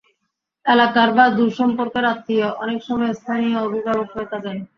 এলাকার বা দূরসম্পর্কের আত্মীয়, অনেক সময় স্থানীয় অভিভাবক হয়ে থাকেন।